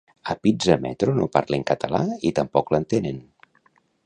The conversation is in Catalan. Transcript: A pizza metro no parlen català i tampoc l'entenen